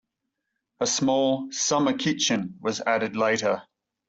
A small "summer kitchen" was added later.